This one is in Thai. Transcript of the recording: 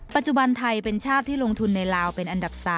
ปัจจุบันไทยเป็นชาติที่ลงทุนในลาวเป็นอันดับ๓